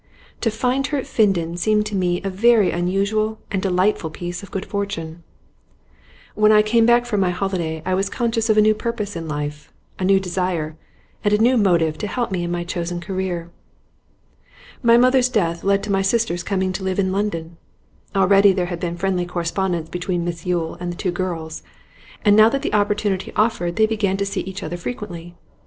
To find her at Finden seemed to me a very unusual and delightful piece of good fortune. When I came back from my holiday I was conscious of a new purpose in life, a new desire and a new motive to help me on in my chosen career. 'My mother's death led to my sisters' coming to live in London. Already there had been friendly correspondence between Miss Yule and the two girls, and now that the opportunity offered they began to see each other frequently.